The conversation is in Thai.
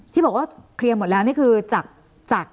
ที่บอกว่าเคลียร์หมดแล้วนี่คือจาก